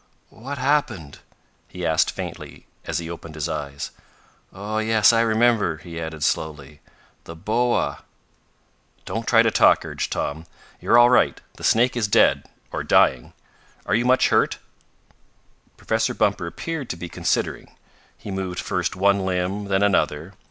"What happened?" he asked faintly as he opened his eyes. "Oh, yes, I remember," he added slowly. "The boa " "Don't try to talk," urged Tom. "You're all right. The snake is dead, or dying. Are you much hurt?" Professor Bumper appeared to be considering. He moved first one limb, then another.